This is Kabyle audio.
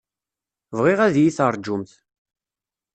Bɣiɣ ad yi-terjumt.